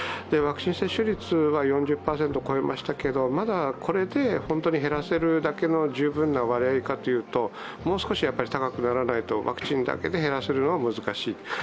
ワクチン接種率は４０％を超えましたけど、まだこれで本当に減らせるだけの十分な割合かというともう少し高くならないとワクチンだけで減らせるのは難しい。